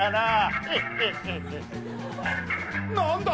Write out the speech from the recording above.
何だ？